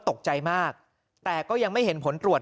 ตกใจมากแต่ก็ยังไม่เห็นผลตรวจ